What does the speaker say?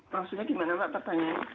maksudnya gimana pak tertanya tanya